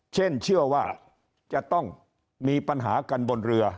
เช่นเชื่อว่าจะต้องมีปัญหากันบนเรือ